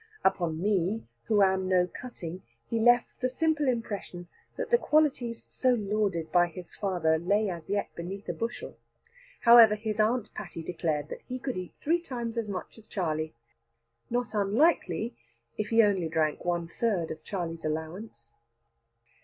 Upon me, who am no Cutting, he left the simple impression that the qualities, so lauded by his father, lay as yet beneath a bushel. However, his Aunt Patty declared that he could eat three times as much as Charley. Not unlikely, if he only drank one third of Charley's allowance.